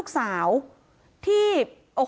กลัวโดนตีอ้าว